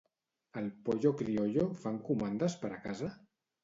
Al Pollo Criollo fan comandes per a casa?